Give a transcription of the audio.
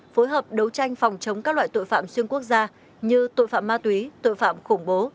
phối hợp đấu tranh phòng chống các loại tội phạm xuyên quốc gia như tội phạm ma túy tội phạm khủng bố